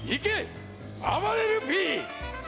あばれるＰ！